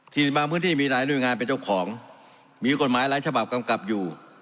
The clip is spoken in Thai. บางพื้นที่มีหลายหน่วยงานเป็นเจ้าของมีกฎหมายหลายฉบับกำกับอยู่